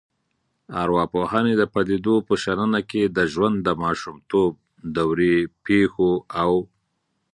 ارواپوهنې د پديدو په شننه کې د ژوند د ماشومتوب دورې پیښو او